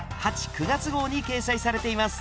９月号に掲載されています。